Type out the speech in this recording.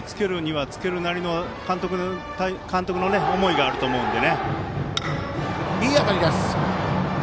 背番号１をつけるにはつけるだけの監督の思いがあると思うので。